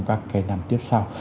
các cái năm tiếp sau